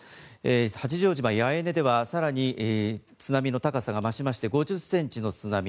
八丈島八重根ではさらに津波の高さが増しまして５０センチの津波。